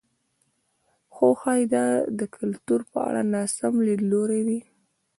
خو ښايي دا د کلتور په اړه ناسم لیدلوری وي.